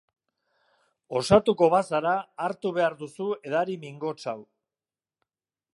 Osatuko bazara, hartu behar duzu edari mingots hau.